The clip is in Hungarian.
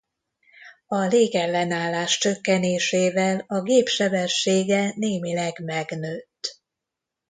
A légellenállás csökkenésével a gép sebessége némileg megnőtt.